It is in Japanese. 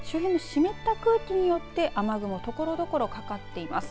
周辺の湿った空気によって雨雲ところどころかかっています。